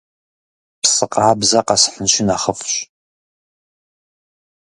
Псы къабзэ къэсхьынщи нэхъыфӀщ.